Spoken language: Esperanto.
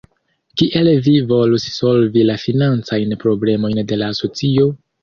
Kiel vi volus solvi la financajn problemojn de la asocio?